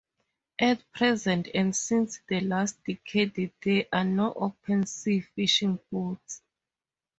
At present and since the last decade there are no open sea fishing boats.